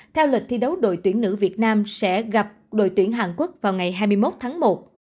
theo lịch thi đấu đội tuyển nữ việt nam sẽ gặp đội tuyển hàn quốc vào ngày hai mươi một tháng một